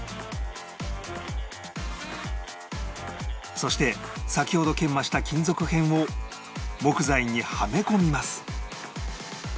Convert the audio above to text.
そして先ほど研磨した金属片を木材にはめ込みます